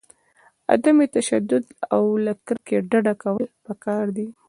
عدم تشدد او له کرکې ډډه کول پکار دي.